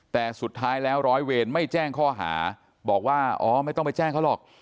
แต่สุดท้ายแล้วร้อยเวรไม่แจ้งข้อหาบอกว่าอ๋อไม่ต้องไปแจ้งเขาหรอก